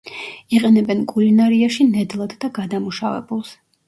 იყენებენ კულინარიაში ნედლად და გადამუშავებულს.